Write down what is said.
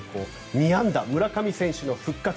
２安打、村上選手の復活。